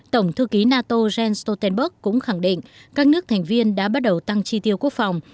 tổng thư ký nato jens stoltenberg cũng khẳng định các nước thành viên đã bắt đầu tăng chi tiêu quốc phòng